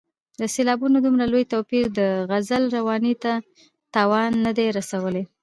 د سېلابونو دومره لوی توپیر د غزل روانۍ ته تاوان نه دی رسولی.